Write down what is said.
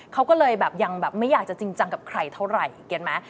เขาก็เลยแบบยังแบบไม่อยากจะจริงจังกับใครเท่าไหร่เห็นไหม